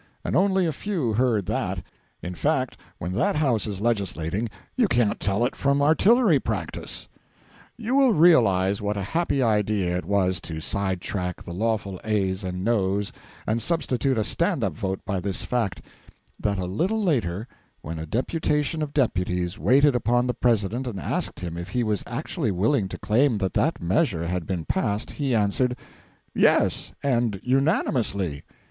And only a few heard that. In fact, when that House is legislating you can't tell it from artillery practice. You will realise what a happy idea it was to side track the lawful ayes and noes and substitute a stand up vote by this fact: that a little later, when a deputation of deputies waited upon the President and asked him if he was actually willing to claim that that measure had been passed, he answered, 'Yes and unanimously.'